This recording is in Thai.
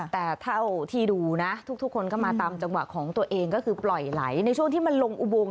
แต่เท่าที่ดูนะทุกคนก็มาตามจังหวะของตัวเองก็คือปล่อยไหลในช่วงที่มันลงอุโมง